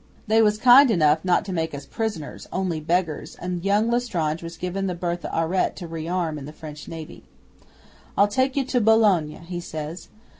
They was kind enough not to make us prisoners only beggars and young L'Estrange was given the BERTHE AURETTE to re arm into the French Navy. '"I'll take you round to Boulogne," he says.